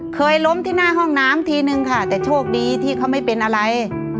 เคยล้มที่หน้าห้องน้ำทีนึงค่ะแต่โชคดีที่เขาไม่เป็นอะไร